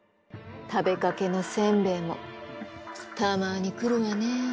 食べかけの煎餅もたまに来るわねぇ。